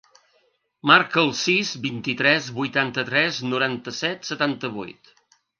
Marca el sis, vint-i-tres, vuitanta-tres, noranta-set, setanta-vuit.